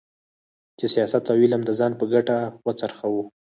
چې سیاست او علم د ځان په ګټه وڅرخوو.